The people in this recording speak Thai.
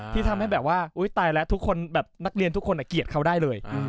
ที่ทำให้นักเรียนทุกคนเกลียดเขาได้เลย